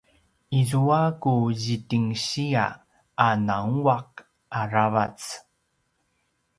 izua ku zidingsiya a nguanguaq aravac